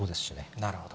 なるほど。